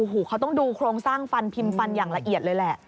โอ้โหเขาต้องดูโครงสร้างฟันพิมพ์ฟันอย่างละเอียดเลยแหละ